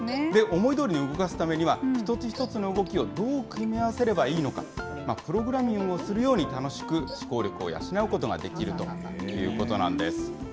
思いどおりに動かすためには、一つ一つの動きをどう組み合わせればいいのか、プログラミングをするように楽しく思考力を養うことができるということなんです。